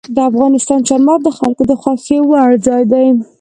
افغانستان کې چار مغز د خلکو د خوښې وړ ځای دی.